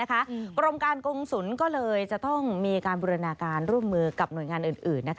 กรมการกงศูนย์ก็เลยจะต้องมีการบูรณาการร่วมมือกับหน่วยงานอื่น